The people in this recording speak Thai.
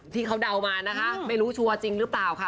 ที่เขาเดามานะคะไม่รู้ชัวร์จริงหรือเปล่าค่ะ